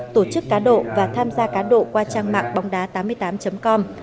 tổ chức cá độ và tham gia cá độ qua trang mạng bóng đá tám mươi tám com